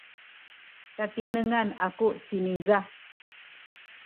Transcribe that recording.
katinengan aku ciniza.